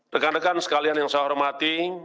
rekan rekan sekalian yang saya hormati